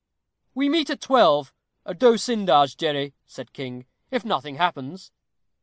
"We meet at twelve, at D'Osyndar's, Jerry," said King, "if nothing happens."